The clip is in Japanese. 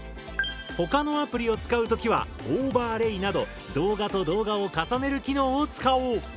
他のアプリを使うときは「オーバーレイ」など動画と動画を重ねる機能を使おう。